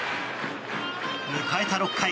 迎えた６回。